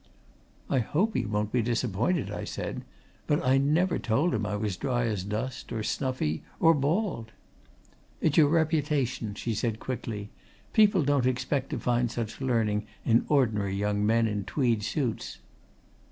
"I hope he won't be disappointed," I said. "But I never told him I was dry as dust, or snuffy, or bald " "It's your reputation," she said quickly. "People don't expect to find such learning in ordinary young men in tweed suits."